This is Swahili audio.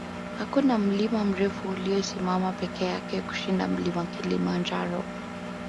hakuna mlima mrefu uliyosimama peke yake kushinda mlima kilimanjaro